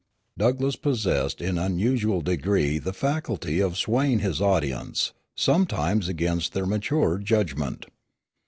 Douglass possessed in unusual degree the faculty of swaying his audience, sometimes against their maturer judgment.